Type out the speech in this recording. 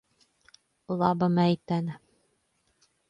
Laba meitene.